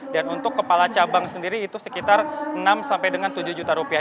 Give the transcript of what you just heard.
dan untuk kepala cabang sendiri itu sekitar enam sampai dengan tujuh juta rupiah